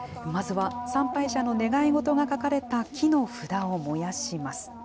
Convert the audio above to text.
まずは、参拝者の願い事が書かれた木の札を燃やします。